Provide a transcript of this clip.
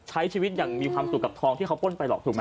ใช้ชีวิตอย่างมีความสุขกับทองที่เขาป้นไปหรอกถูกไหม